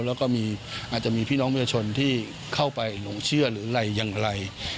แล้วก็มีอาจจะมีพี่น้องประชาชนที่เข้าไปหลงเชื่อหรืออะไรอย่างไร